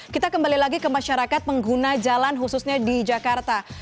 kita kembali lagi ke masyarakat pengguna jalan khususnya di jakarta